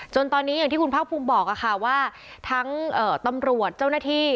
ตอนนี้อย่างที่คุณภาคภูมิบอกค่ะว่าทั้งตำรวจเจ้าหน้าที่